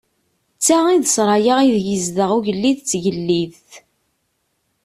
D ta i d ssṛaya ideg izdeɣ ugellid d tgellidt.